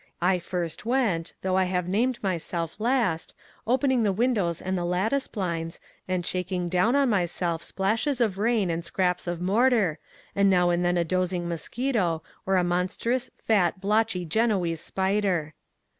I went first, though I have named myself last, opening the windows and the lattice blinds, and shaking down on myself splashes of rain, and scraps of mortar, and now and then a dozing mosquito, or a monstrous, fat, blotchy, Genoese spider.